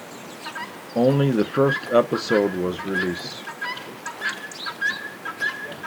Only the first episode was released.